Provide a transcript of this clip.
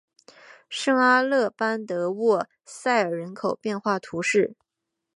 圣阿勒班德沃塞尔人口变化图示